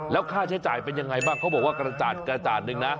แล้วค่าใช้จ่ายเป็นยังไงบ้างเขาบอกว่ากระจาดกระจาดนึงนะ